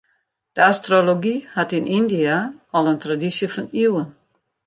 De astrology hat yn Yndia al in tradysje fan iuwen.